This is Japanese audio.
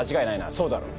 そうだろ？